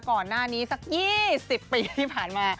ก่อนหน้านี้สัก๒๐ปีที่ผ่านมา